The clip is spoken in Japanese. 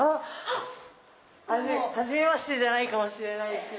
「はじめまして」じゃないかもしれないですけど。